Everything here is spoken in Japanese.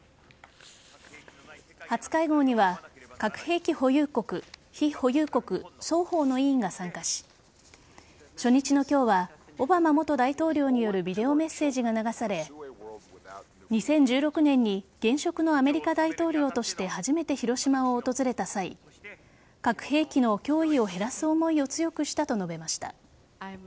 初会合には核兵器保有国、非保有国双方の委員が参加し初日の今日はオバマ元大統領によるビデオメッセージが流され２０１６年に現職のアメリカ大統領として初めて広島を訪れた際核兵器の脅威を減らす思いを強くしたと述べました。